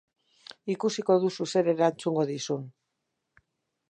Ikusiko duzu zer erantzungo dizun.